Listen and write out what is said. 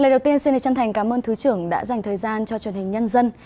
lời đầu tiên xin đề chân thành cảm ơn thứ trưởng đã dành thời gian cho truyền hình nhân dân